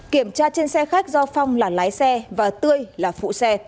kiểm tra trên xe khách do phong là lái xe và tươi là phụ xe